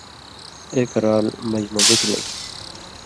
ایک رال مژ مہ مُتیۡ لن٘گِھلیۡ۔